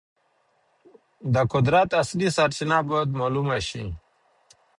د قدرت اصلي سرچینه باید معلومه سي.